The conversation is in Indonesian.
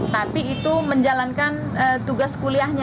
tapi itu menjalankan tugas kuliahnya